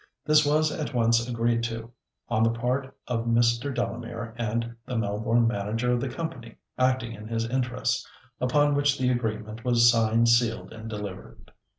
This was at once agreed to, on the part of Mr. Delamere and the Melbourne manager of the company acting in his interests, upon which the agreement was "signed, sealed, and delivered."